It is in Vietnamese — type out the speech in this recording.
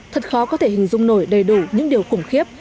thật khó có thể hình dung nổi đầy đủ những điều khủng khiếp